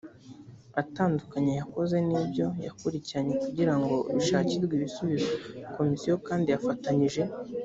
atandukanye yakoze n ibyo yakurikiranye kugira ngo bishakirwe ibisubizo komisiyo kandi yafatanyije